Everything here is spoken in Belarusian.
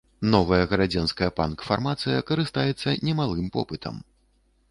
Новая гродзенская панк-фармацыя карыстаецца немалым попытам.